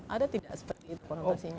ada tidak seperti itu konotasinya